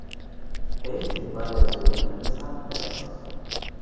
Pech war der Sohn eines Handwerkers.